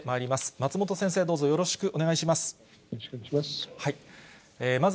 松本先生、どうぞよろしくお願いします。